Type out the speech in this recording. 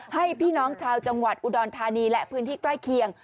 พี่น้องชาวจังหวัดอุดรธานีและพื้นที่ใกล้เคียง